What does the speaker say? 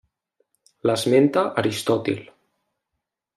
L'esmenta Aristòtil.